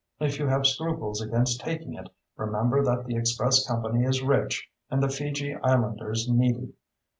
If you have scruples against taking it remember that the express company is rich and the Fiji Islanders needy.